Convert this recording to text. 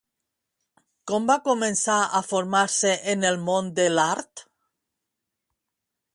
Com va començar a formar-se en el món de l'art?